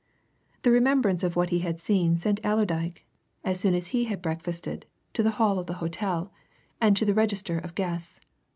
The remembrance of what he had seen sent Allerdyke, as soon as he had breakfasted, to the hall of the hotel, and to the register of guests.